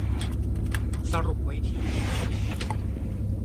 สรุปไว้ที่